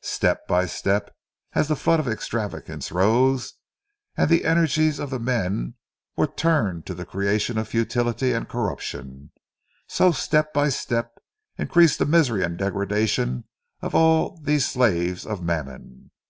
Step by step, as the flood of extravagance rose, and the energies of the men were turned to the creation of futility and corruption—so, step by step, increased the misery and degradation of all these slaves of Mammon.